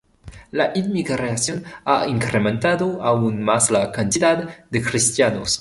La inmigración ha incrementado aún más la cantidad de cristianos.